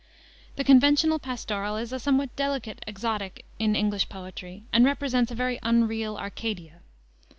The conventional pastoral is a somewhat delicate exotic in English poetry, and represents a very unreal Arcadia.